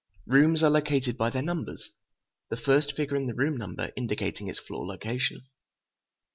Rooms are located by their numbers: the first figure in the room number indicating its floor location.